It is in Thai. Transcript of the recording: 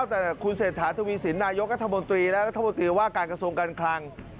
แต่คุณเศรษฐาทวีสินนายกรัฐมนตรีและรัฐมนตรีว่าการกระทรวงการคลัง